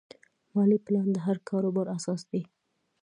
مالي پلان د هر کاروبار اساس دی.